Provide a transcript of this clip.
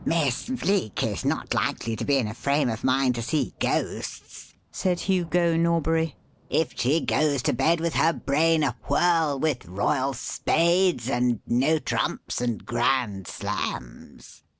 "Miss Bleek is not likely to be in a frame of mind to see ghosts," said Hugo Norbury, "if she goes to bed with her brain awhirl with royal spades and no trumps and grand slams."